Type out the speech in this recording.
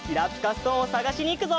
ストーンをさがしにいくぞ！